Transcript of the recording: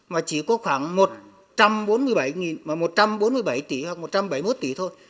mà chỉ có khoảng một trăm bốn mươi bảy tỷ hoặc một trăm bảy mươi một tỷ thôi